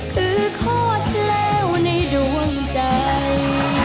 คือโคตรแล้วในดวงใจ